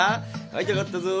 会いたかったぞ。